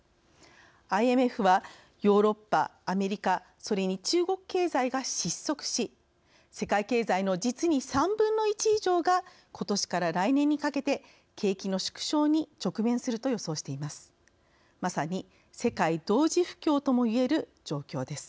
ＩＭＦはヨーロッパ・アメリカ・それに、中国経済が失速し世界経済の実に３分の１以上が今年から来年にかけて景気の縮小に直面すると予想しています。